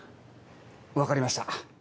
分かりました。